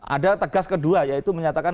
ada tegas kedua yaitu menyatakan